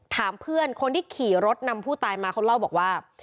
ถามเพื่อนคนที่ขี่รถนำผู้ตายมาเขาเล่าบอกว่า